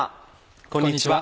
こんにちは。